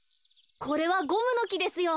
これはゴムのきですよ。